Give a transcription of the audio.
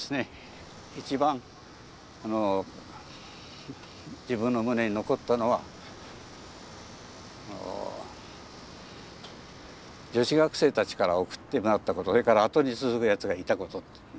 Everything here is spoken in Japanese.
一番自分の胸に残ったのは女子学生たちから送ってもらったことそれから後に続くやつがいたこと。